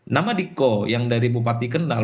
nama diko yang dari bupati kendal